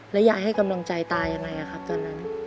ยายให้กำลังใจตายังไงครับตอนนั้น